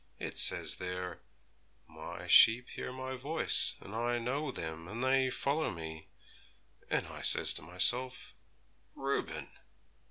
It says there, "My sheep hear My voice, and I know them, and they follow Me." And I says to myself, "Reuben!